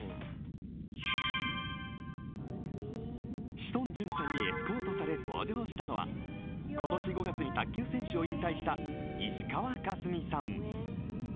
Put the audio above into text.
志尊淳さんにエスコートされ登場したのは今年５月に卓球選手を引退した石川佳純さん。